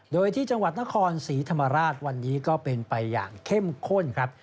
โดยที่จังหวัดนครศรีธรรมราชวันนี้ก็เป็นไปอย่างเข้มข้นครับ